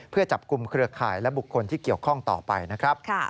เพื่อจับกลุ่มเครือข่ายและบุคคลที่เกี่ยวข้องต่อไปนะครับ